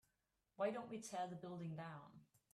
why don't we tear the building down?